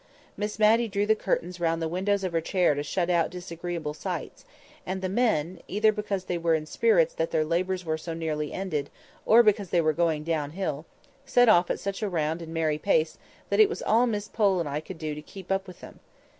Miss Matty drew the curtains round the windows of the chair to shut out disagreeable sights, and the men (either because they were in spirits that their labours were so nearly ended, or because they were going down hill), set off at such a round and merry pace, that it was all Miss Pole and I could do to keep up with them.